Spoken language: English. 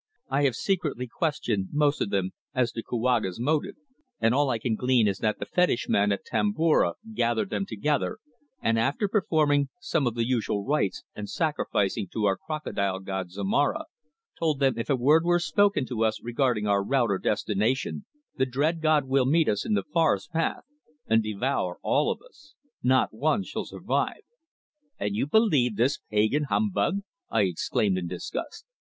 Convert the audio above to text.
I have secretly questioned most of them as to Kouaga's motive, and all I can glean is that the fetish man at Tomboura gathered them together and, after performing some of the usual rites and sacrificing to our Crocodile god Zomara, told them if a word were spoken to us regarding our route or destination the dread god will meet us in the forest path and devour all of us. Not one shall survive." "And you believe this pagan humbug?" I exclaimed, in disgust.